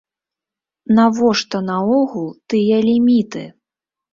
Навошта наогул тыя ліміты?